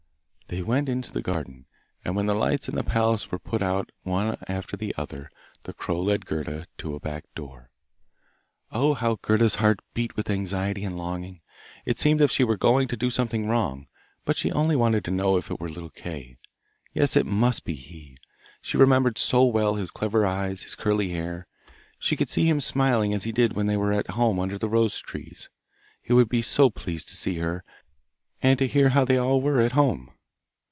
They went into the garden, and when the lights in the palace were put out one after the other, the crow led Gerda to a back door. Oh, how Gerda's heart beat with anxiety and longing! It seemed as if she were going to do something wrong, but she only wanted to know if it were little Kay. Yes, it must be he! She remembered so well his clever eyes, his curly hair. She could see him smiling as he did when they were at home under the rose trees! He would be so pleased to see her, and to hear how they all were at home.